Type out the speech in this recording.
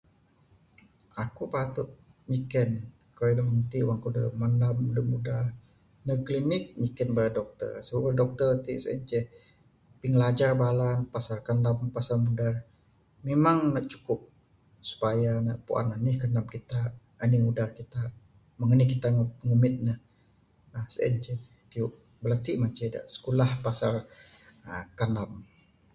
Aku patut nyiken keyuh dak mung t wang aku dak mendam dak mudar ndek klinik nyiken bala doktor. Su dok siti sien ceh pingilajar bala ne pasal kendam, pasal mudar, memang ne cukup supaya ne puan enih kendam kita, enih mudar kita mung enih kita ngumbit ne uhh sien ceh. Keyuh bala t mah ceh dak sikulah pasal kendam.